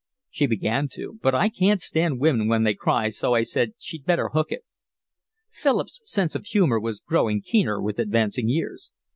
"She began to, but I can't stand women when they cry, so I said she'd better hook it." Philip's sense of humour was growing keener with advancing years.